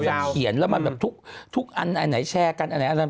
สัดเขียนแล้วมันแบบทุกอันไหนแชร์กันอันไหน